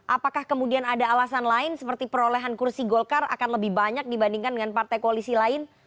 apakah kemudian ada alasan lain seperti perolehan kursi golkar akan lebih banyak dibandingkan dengan partai koalisi lain